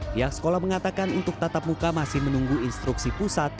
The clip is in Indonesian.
pihak sekolah mengatakan untuk tatap muka masih menunggu instruksi pusat